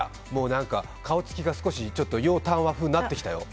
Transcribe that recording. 顔つきが少し、ちょっと楊端和風になってきたよ。